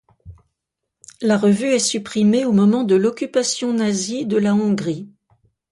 La revue est supprimée au moment de l’occupation nazie de la Hongrie.